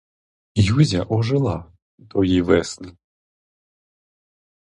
Юзя ожила тої весни.